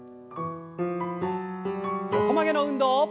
横曲げの運動。